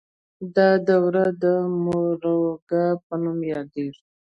دا دوره د مورواکۍ په نوم یادیده.